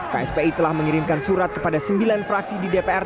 kspi telah mengirimkan surat kepada sembilan fraksi di dpr